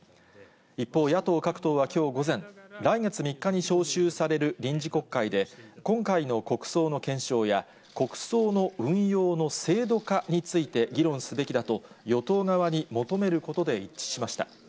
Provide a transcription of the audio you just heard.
一方、野党各党はきょう午前、来月３日に召集される臨時国会で、今回の国葬の検証や、国葬の運用の制度化について議論すべきだと、与党側に求めることで一致しました。